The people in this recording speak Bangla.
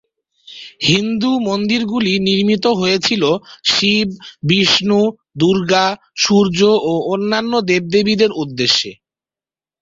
হিন্দু মন্দিরগুলি নির্মিত হয়েছিল শিব, বিষ্ণু, দুর্গা, সূর্য ও অন্যান্য দেবদেবীদের উদ্দেশ্যে।